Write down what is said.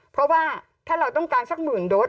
เพราะว่าถ้าเราต้องการสักหมื่นโดส